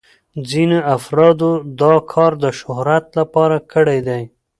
ځینو افرادو دا کار د شهرت لپاره کړی دی.